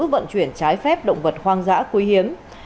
vận chuyển trái phép động vật hoang dã quý hiếm